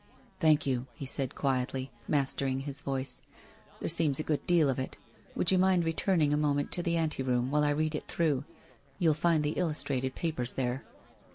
' Thank you/ he said quietly, mastering his voice. ' There seems a good deal of it. Would you mind return ing a moment to the anteroom while I read it. through. You'll find the illustrated papers there.'